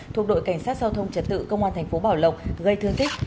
thuộc đội cảnh sát giao thông trật tự công an thành phố bảo lộc gây thương tích